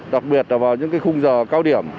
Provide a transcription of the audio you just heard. đặc biệt vào những khung giờ cao điểm